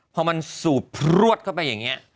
พอมันสูบพลวดเข้าไปอย่างนี้